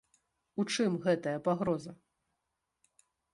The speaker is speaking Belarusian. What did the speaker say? У чым гэтая пагроза?